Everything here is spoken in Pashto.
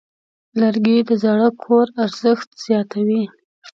لرګی د زاړه کور ارزښت زیاتوي.